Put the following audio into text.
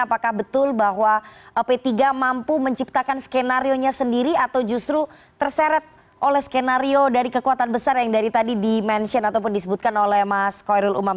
apakah betul bahwa p tiga mampu menciptakan skenario nya sendiri atau justru terseret oleh skenario dari kekuatan besar yang dari tadi di mention ataupun disebutkan oleh mas koirul umam